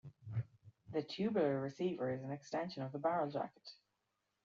The tubular receiver is an extension of the barrel jacket.